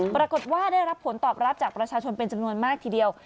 ปรากฏว่าได้รับผลตอบรับจากประชาชนเป็นจำนวนมากทีเดียว